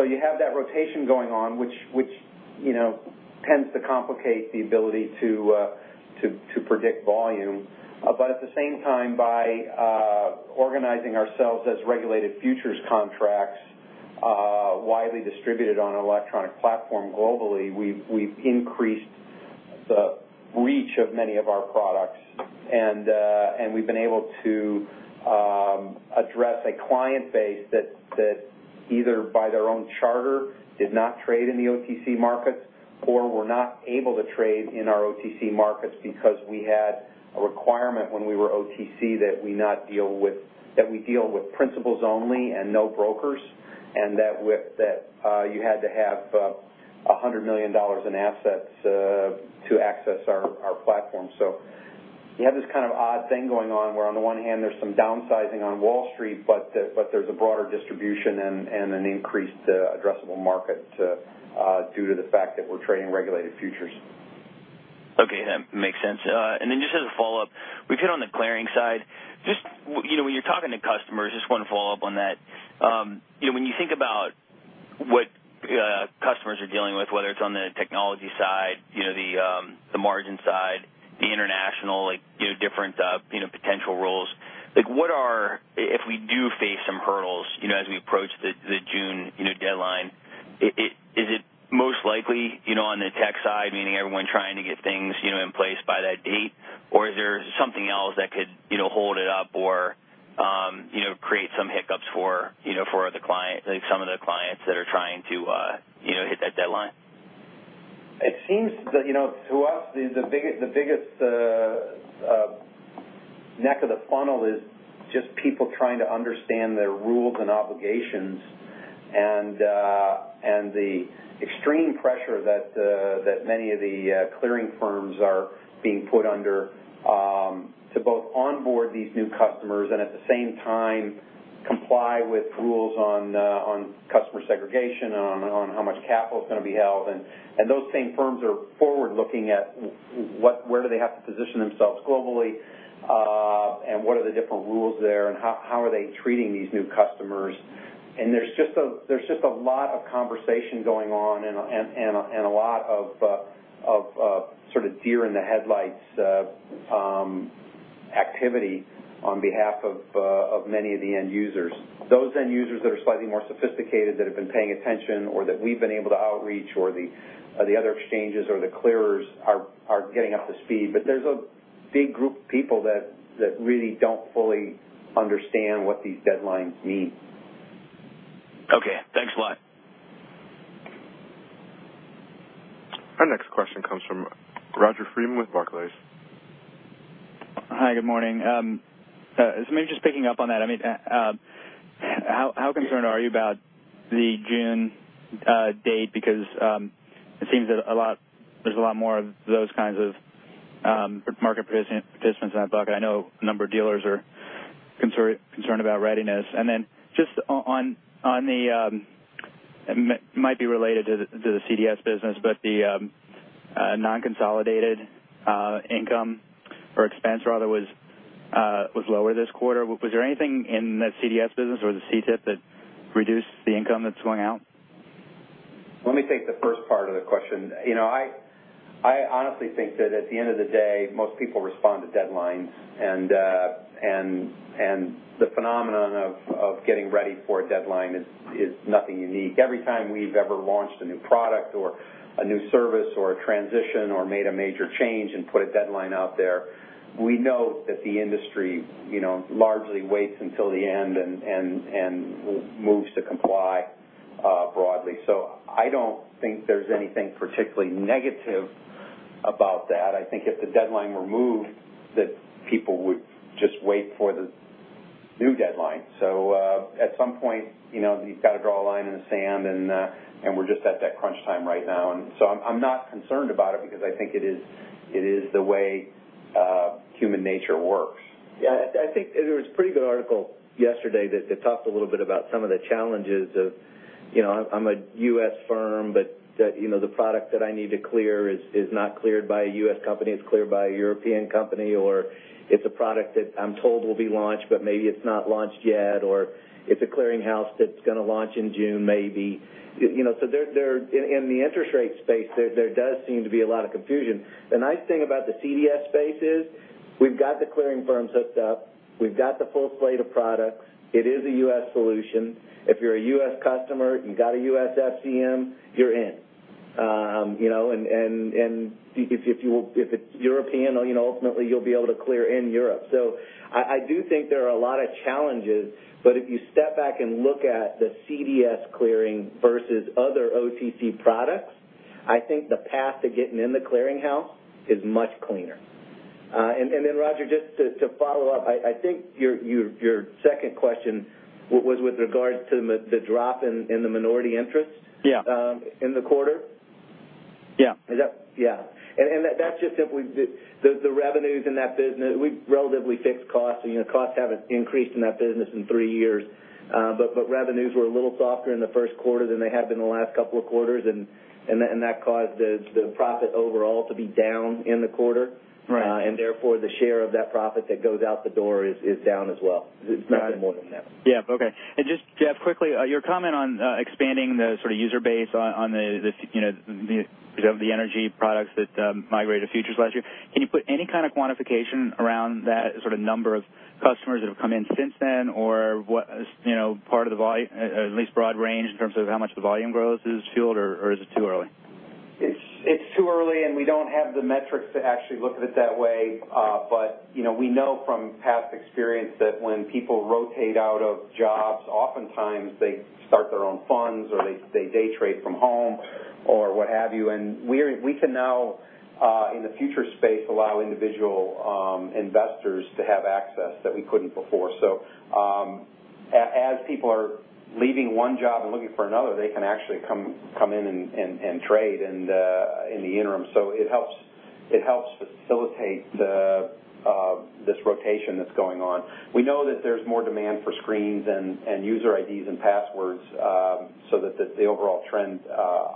You have that rotation going on, which tends to complicate the ability to predict volume. At the same time, by organizing ourselves as regulated futures contracts widely distributed on an electronic platform globally, we've increased the reach of many of our products, and we've been able to address a client base that either by their own charter did not trade in the OTC markets or were not able to trade in our OTC markets because we had a requirement when we were OTC that we deal with principals only and no brokers, and that you had to have $100 million in assets to access our platform. You have this kind of odd thing going on, where on the one hand, there's some downsizing on Wall Street, but there's a broader distribution and an increased addressable market due to the fact that we're trading regulated futures. Okay, that makes sense. Just as a follow-up, we've hit on the clearing side. When you're talking to customers, just one follow-up on that, when you think about what customers are dealing with, whether it's on the technology side, the margin side, the international, different potential roles, if we do face some hurdles as we approach the June deadline, is it most likely on the tech side, meaning everyone trying to get things in place by that date? Or is there something else that could hold it up or create some hiccups for some of the clients that are trying to hit that deadline? It seems to us, the biggest neck of the funnel is just people trying to understand their rules and obligations and the extreme pressure that many of the clearing firms are being put under to both onboard these new customers and at the same time comply with rules on customer segregation, on how much capital is going to be held. Those same firms are forward-looking at where do they have to position themselves globally and what are the different rules there and how are they treating these new customers. There's just a lot of conversation going on and a lot of sort of deer-in-the-headlights activity on behalf of many of the end users. Those end users that are slightly more sophisticated that have been paying attention or that we've been able to outreach or the other exchanges or the clearers are getting up to speed. There's a big group of people that really don't fully understand what these deadlines mean. Okay. Thanks a lot. Our next question comes from Roger Freeman with Barclays. Hi, good morning. Maybe just picking up on that, how concerned are you about the June date? Because it seems there's a lot more of those kinds of market participants in that bucket. I know a number of dealers are concerned about readiness. It might be related to the CDS business, but the non-consolidated income or expense rather was lower this quarter. Was there anything in the CDS business or the Cetip that reduced the income that's going out? Let me take the first part of the question. I honestly think that at the end of the day, most people respond to deadlines, and the phenomenon of getting ready for a deadline is nothing unique. Every time we've ever launched a new product or a new service or a transition or made a major change and put a deadline out there, we know that the industry largely waits until the end and moves to comply broadly. I don't think there's anything particularly negative about that. I think if the deadline were moved, that people would just wait for the new deadline. At some point you've got to draw a line in the sand, and we're just at that crunch time right now. I'm not concerned about it because I think it is the way human nature works. Yeah, I think there was a pretty good article yesterday that talked a little bit about some of the challenges of, I'm a U.S. firm, but the product that I need to clear is not cleared by a U.S. company, it's cleared by a European company, or it's a product that I'm told will be launched, but maybe it's not launched yet, or it's a clearing house that's going to launch in June, maybe. In the interest rate space, there does seem to be a lot of confusion. The nice thing about the CDS space is we've got the clearing firms hooked up. We've got the full slate of products. It is a U.S. solution. If you're a U.S. customer, you got a U.S. FCM, you're in. If it's European, ultimately you'll be able to clear in Europe. I do think there are a lot of challenges, but if you step back and look at the CDS clearing versus other OTC products, I think the path to getting in the clearing house is much cleaner. Roger, just to follow up, I think your second question was with regards to the drop in the minority interest- Yeah in the quarter? Yeah. Yeah. That's just simply the revenues in that business. We've relatively fixed costs. Costs haven't increased in that business in three years. Revenues were a little softer in the first quarter than they have been the last couple of quarters, and that caused the profit overall to be down in the quarter. Right. Therefore, the share of that profit that goes out the door is down as well. Nothing more than that. Yeah. Okay. Just, Jeff, quickly, your comment on expanding the sort of user base on the energy products that migrated futures last year, can you put any kind of quantification around that sort of number of customers that have come in since then? At least broad range in terms of how much the volume growth is fueled, or is it too early? It's too early, and we don't have the metrics to actually look at it that way. We know from past experience that when people rotate out of jobs, oftentimes they start their own funds, or they day trade from home, or what have you. We can now, in the future space, allow individual investors to have access that we couldn't before. As people are leaving one job and looking for another, they can actually come in and trade in the interim. It helps facilitate this rotation that's going on. We know that there's more demand for screens and user IDs and passwords, so that the overall trend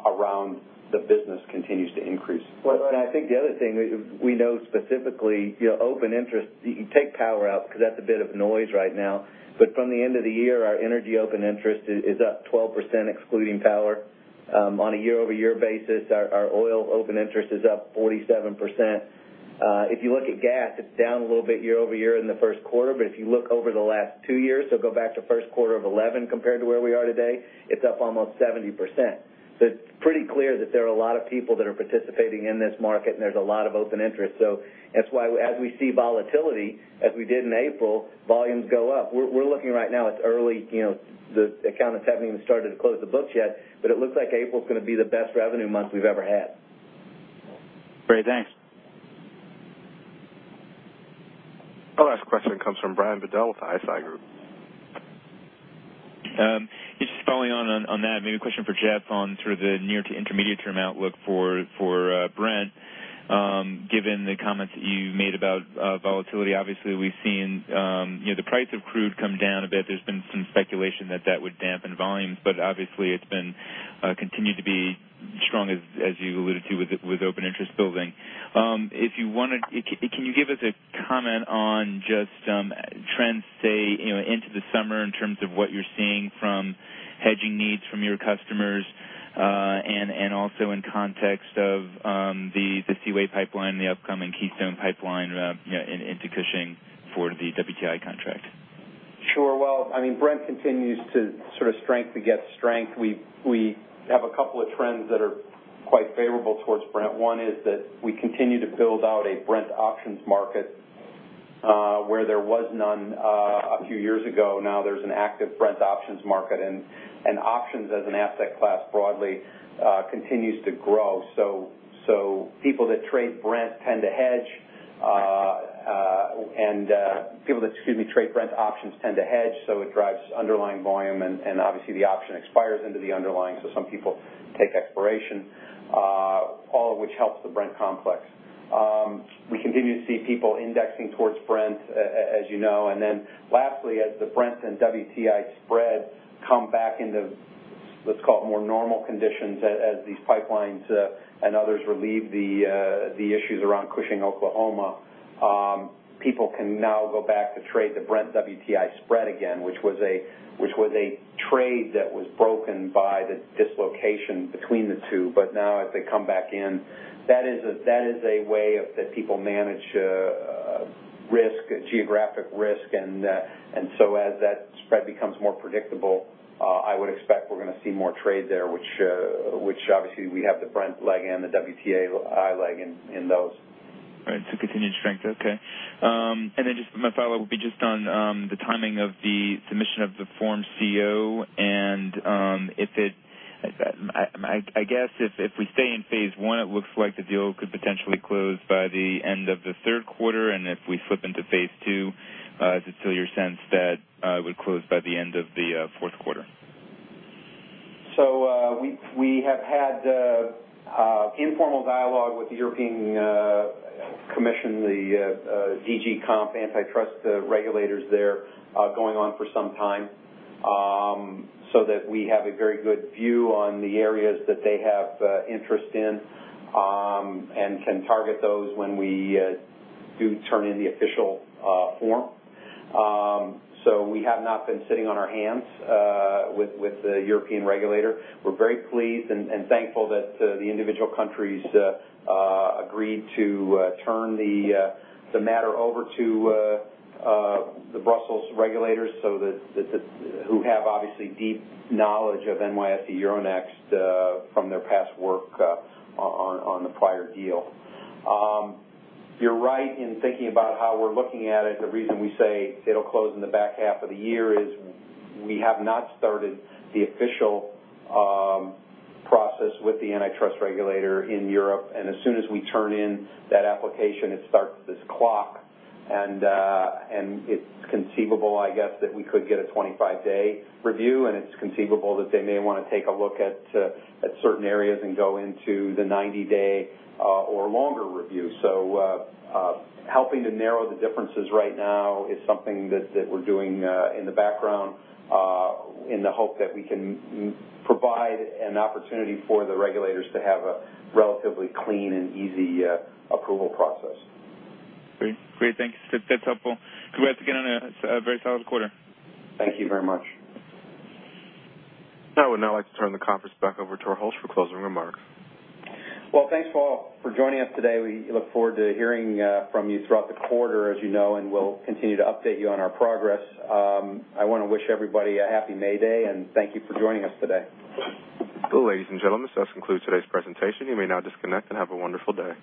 around the business continues to increase. I think the other thing, we know specifically open interest, you take power out because that's a bit of noise right now, but from the end of the year, our energy open interest is up 12%, excluding power. On a year-over-year basis, our oil open interest is up 47%. If you look at gas, it's down a little bit year-over-year in the first quarter, but if you look over the last two years, go back to first quarter of 2011 compared to where we are today, it's up almost 70%. It's pretty clear that there are a lot of people that are participating in this market, and there's a lot of open interest. That's why, as we see volatility, as we did in April, volumes go up. We're looking right now, it's early. The accountants haven't even started to close the books yet, but it looks like April's going to be the best revenue month we've ever had. Great, thanks. Our last question comes from Brian Bedell with ISI Group. Just following on that, maybe a question for Jeff on the near- to intermediate-term outlook for Brent. Given the comments that you made about volatility, obviously we've seen the price of crude come down a bit. There's been some speculation that that would dampen volumes, but obviously it's continued to be strong, as you alluded to, with open interest building. Can you give us a comment on just trends, say, into the summer in terms of what you're seeing from hedging needs from your customers, and also in context of the Seaway Pipeline, the upcoming Keystone Pipeline into Cushing for the WTI contract? Sure. Well, Brent continues to strength against strength. We have a couple of trends that are quite favorable towards Brent. One is that we continue to build out a Brent options market, where there was none a few years ago. Now there's an active Brent options market, and options as an asset class broadly continues to grow. People that trade Brent options tend to hedge, so it drives underlying volume, and obviously the option expires into the underlying, so some people take expiration, all of which helps the Brent complex. We continue to see people indexing towards Brent, as you know. Lastly, as the Brent and WTI spread come back into, let's call it more normal conditions, as these pipelines and others relieve the issues around Cushing, Oklahoma, people can now go back to trade the Brent WTI spread again, which was a trade that was broken by the dislocation between the two. Now as they come back in, that is a way that people manage geographic risk, and so as that spread becomes more predictable, I would expect we're going to see more trade there, which obviously we have the Brent leg and the WTI leg in those. Right. Continued strength. Okay. Just my follow-up would be just on the timing of the submission of the Form CO, and I guess if we stay in phase one, it looks like the deal could potentially close by the end of the third quarter. If we flip into phase two, is it still your sense that it would close by the end of the fourth quarter? We have had informal dialogue with the European Commission, the DG Competition antitrust regulators there, going on for some time, so that we have a very good view on the areas that they have interest in, and can target those when we do turn in the official form. We have not been sitting on our hands with the European regulator. We're very pleased and thankful that the individual countries agreed to turn the matter over to the Brussels regulators, who have, obviously, deep knowledge of NYSE Euronext from their past work on the prior deal. You're right in thinking about how we're looking at it. The reason we say it'll close in the back half of the year is we have not started the official process with the antitrust regulator in Europe. As soon as we turn in that application, it starts this clock, and it's conceivable, I guess, that we could get a 25-day review, and it's conceivable that they may want to take a look at certain areas and go into the 90-day or longer review. Helping to narrow the differences right now is something that we're doing in the background in the hope that we can provide an opportunity for the regulators to have a relatively clean and easy approval process. Great. Great, thanks. That's helpful. Congrats again on a very solid quarter. Thank you very much. I would now like to turn the conference back over to our host for closing remarks. Well, thanks, all, for joining us today. We look forward to hearing from you throughout the quarter, as you know, and we'll continue to update you on our progress. I want to wish everybody a happy May Day, and thank you for joining us today. Ladies and gentlemen, this does conclude today's presentation. You may now disconnect, and have a wonderful day.